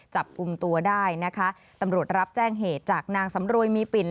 จับกลุ่มตัวได้นะคะตำรวจรับแจ้งเหตุจากนางสำรวยมีปิ่น